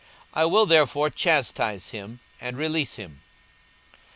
42:023:016 I will therefore chastise him, and release him.